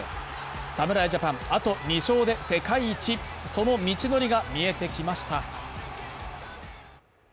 侍ジャパン、あと２勝で世界一、その道のりが見えてきました。